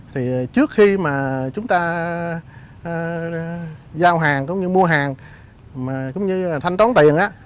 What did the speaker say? nếu mà chúng ta giao hàng cũng như mua hàng cũng như thanh toán tiền